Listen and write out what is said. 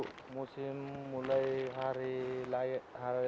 itu musim mulai hari raya ini